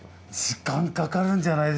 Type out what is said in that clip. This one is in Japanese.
時間かかるんじゃないですか？